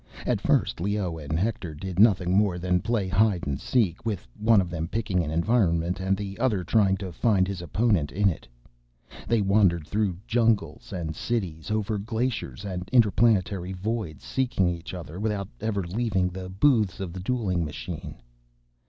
At first, Leoh and Hector did nothing more than play hide and seek, with one of them picking an environment and the other trying to find his opponent in it. They wandered through jungles and cities, over glaciers and interplanetary voids, seeking each other—without ever leaving the booths of the dueling machine.